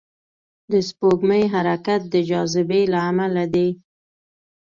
د سپوږمۍ حرکت د جاذبې له امله دی.